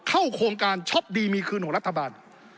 เข้าโครงการช็อปดีมีคืนของรัฐบาล